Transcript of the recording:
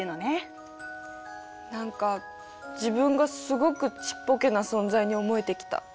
何か自分がすごくちっぽけな存在に思えてきた。